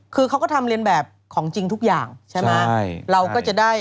คือเขาก็ทำเรียนแบบของจริงทุกอย่างใช่ไหมใช่เราก็จะได้